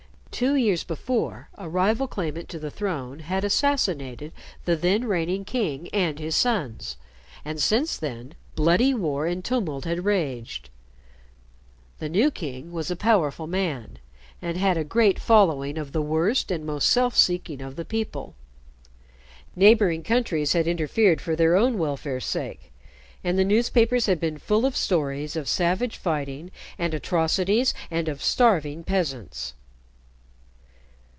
Two years before, a rival claimant to the throne had assassinated the then reigning king and his sons, and since then, bloody war and tumult had raged. The new king was a powerful man, and had a great following of the worst and most self seeking of the people. Neighboring countries had interfered for their own welfare's sake, and the newspapers had been full of stories of savage fighting and atrocities, and of starving peasants.